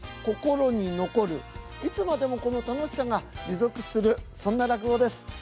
心に残るいつまでもこの楽しさが持続するそんな落語です。